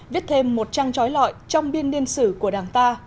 viết thêm một trang trói lọi trong biên liên xử của đảng ta